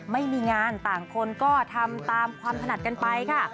ไม่มีงานต่างคนก็ทำตามความถนัดกันไปค่ะ